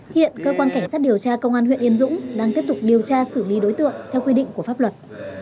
hiện cơ quan cảnh sát điều tra công an huyện yên dũng đang tiếp tục điều tra xử lý đối tượng theo quy định của pháp luật